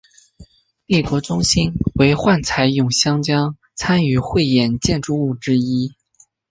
帝国中心为幻彩咏香江参与汇演建筑物之一。